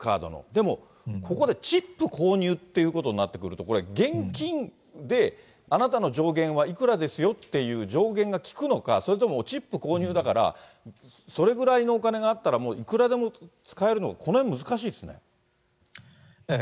でも、ここでチップ購入っていうことになってくると、これ、現金であなたの上限はいくらですよっていう上限が効くのか、それともチップ購入だから、それぐらいのお金があったら、もういくらでも使えるのか、このへん難しいですね。